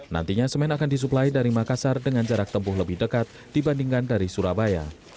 nantinya semen akan disuplai dari makassar dengan jarak tempuh lebih dekat dibandingkan dari surabaya